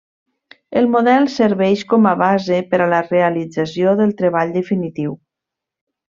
El model serveix com a base per a la realització del treball definitiu.